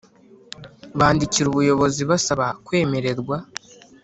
bandikira Ubuyobozi basaba kwemererwa